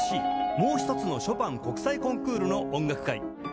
もう１つのショパン国際コンクールの音楽会」